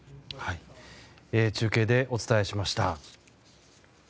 中継でお伝えしました。